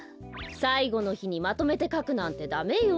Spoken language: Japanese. さいごのひにまとめてかくなんてダメよ。